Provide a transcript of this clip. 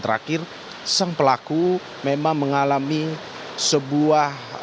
secara sumber bahwa dalam dua bulan ternak sebangsa sang pelaku memang mengalami kejanggalan dalam perilaku yang ditunjukkan